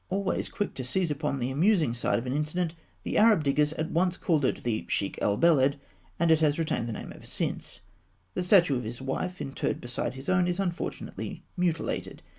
Always quick to seize upon the amusing side of an incident, the Arab diggers at once called it the "Sheikh el Beled," and it has retained the name ever since. The statue of his wife, interred beside his own, is unfortunately mutilated.